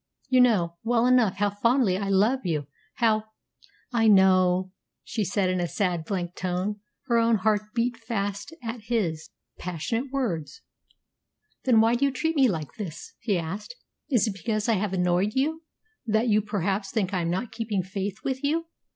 "You know well enough how fondly I love you, how " "I know," she said in a sad, blank tone. Her own heart beat fast at his passionate words. "Then why do you treat me like this?" he asked. "Is it because I have annoyed you, that you perhaps think I am not keeping faith with you?